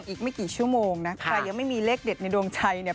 อีกไม่กี่ชั่วโมงนะใครยังไม่มีเลขเด็ดในดวงชัยเนี่ย